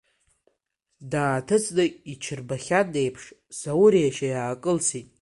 Дааҭыҵны иҽирбахьан еиԥш, Заури иашьеи аакылсит.